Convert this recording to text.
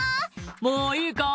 「もういいかい？」